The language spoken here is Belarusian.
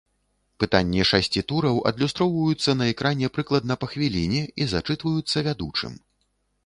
Пытанні шасці тураў адлюстроўваюцца на экране прыкладна па хвіліне і зачытваюцца вядучым.